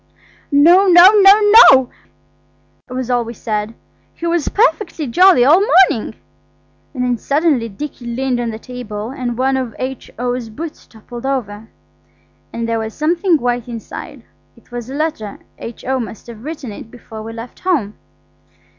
"No, no, NO, NO!" we all said. "He was perfectly jolly all the morning." Then suddenly Dicky leaned on the table and one of H.O.'s boots toppled over, and there was something white inside It was a letter. H.O. must have written it before we left home.